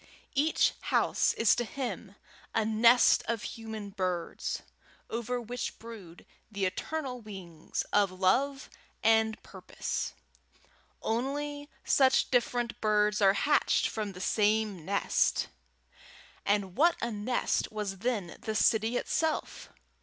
Each house is to him a nest of human birds, over which brood the eternal wings of love and purpose. Only such different birds are hatched from the same nest! And what a nest was then the city itself!